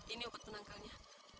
ini obat penangkalnya